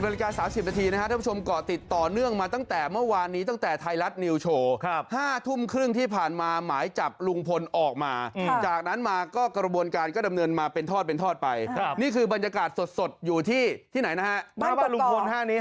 นาฬิกา๓๐นาทีนะครับท่านผู้ชมเกาะติดต่อเนื่องมาตั้งแต่เมื่อวานนี้ตั้งแต่ไทยรัฐนิวโชว์๕ทุ่มครึ่งที่ผ่านมาหมายจับลุงพลออกมาจากนั้นมาก็กระบวนการก็ดำเนินมาเป็นทอดเป็นทอดไปนี่คือบรรยากาศสดอยู่ที่ที่ไหนนะฮะบ้านลุงพล